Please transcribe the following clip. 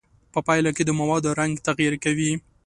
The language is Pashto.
په پایله کې د موادو رنګ تغیر کوي.